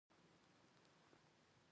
د طیارې الوتونکي ته پيلوټ وایي.